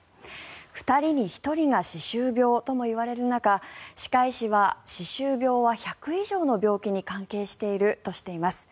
２人に１人が歯周病ともいわれる中歯科医師は歯周病は１００以上の病気に関係しているとしています。